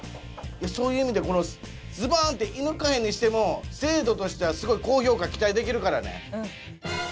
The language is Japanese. そういう意味でこのズバンって射ぬかへんにしても精度としてはすごい高評価期待できるからね。